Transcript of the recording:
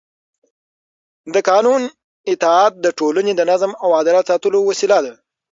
د قانون اطاعت د ټولنې د نظم او عدالت ساتلو وسیله ده